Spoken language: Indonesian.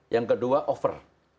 yang kedua over